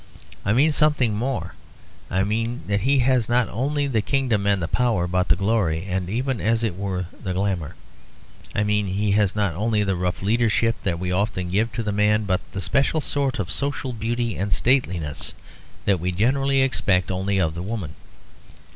I mean something more; I mean that he has not only the kingdom and the power but the glory, and even as it were the glamour. I mean he has not only the rough leadership that we often give to the man, but the special sort of social beauty and stateliness that we generally expect only of the woman.